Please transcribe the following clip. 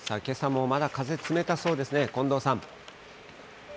けさもまだ風、冷たそうですね、近藤さん。